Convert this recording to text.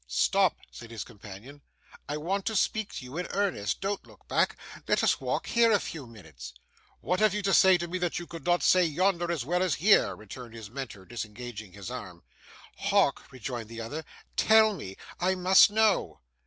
'Stop,' said his companion, 'I want to speak to you in earnest. Don't turn back. Let us walk here, a few minutes.' 'What have you to say to me, that you could not say yonder as well as here?' returned his Mentor, disengaging his arm. 'Hawk,' rejoined the other, 'tell me; I must know.